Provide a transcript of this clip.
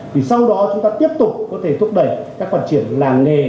thì sau đó chúng ta tiếp tục có thể thúc đẩy các hoạt triển làng nghề